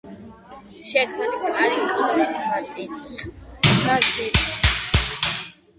შექმნილია კრის კლერმონისა და დეივ კოკრუმის მიერ.